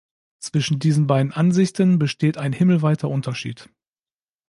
Zwischen diesen beiden Ansichten besteht ein himmelweiter Unterschied.